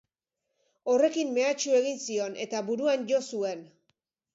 Horrekin mehatxu egin zion eta buruan jo zuen.